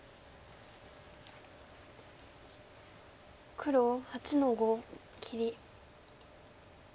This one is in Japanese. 黒８の五切り。